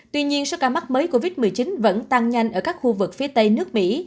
tuy nhiên số ca mắc mới covid một mươi chín vẫn tăng nhanh ở các khu vực phía tây nước mỹ